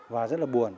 và rất là buồn